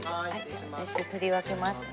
私取り分けますね。